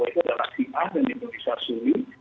itu adalah siah dan itu bisa sulit